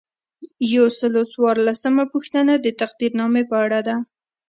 یو سل او څوارلسمه پوښتنه د تقدیرنامې په اړه ده.